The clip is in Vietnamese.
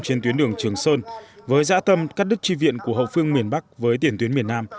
trên tuyến đường trường sơn với dã tâm cắt đứt tri viện của hậu phương miền bắc với tiền tuyến miền nam